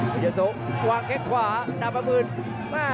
เพชรเจ้าโสวางแค่งขวาดาบมือมือ